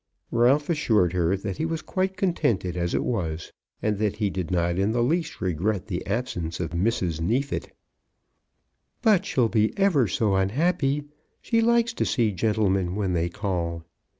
Ralph assured her that he was quite contented as it was, and that he did not in the least regret the absence of Mrs. Neefit. "But she'll be ever so unhappy. She likes to see gentlemen when they call."